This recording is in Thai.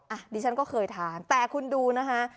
ดิฉันก็เคยทานแต่คุณดูนะคะ